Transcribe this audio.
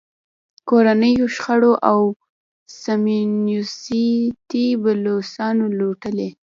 کورنیو شخړو او صیهیونېستي بلوسنو لوټلی.